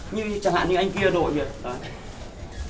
như chẳng hạn như anh kia đội việt